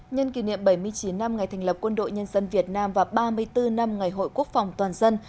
nhân kỷ niệm bảy mươi chín năm ngày thành lập quân đội nhân dân việt nam và ba mươi bốn năm ngày hội quốc phòng toàn dân